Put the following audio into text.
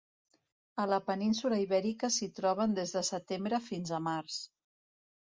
A la península Ibèrica s'hi troben des de setembre fins a març.